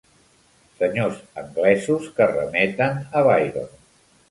Senyors anglesos que remeten a Byron.